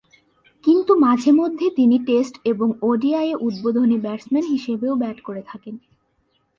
কিন্তু মাঝেমধ্যে তিনি টেস্ট এবং ওডিআইয়ে উদ্বোধনী ব্যাটসম্যান হিসেবেও ব্যাট করে থাকেন।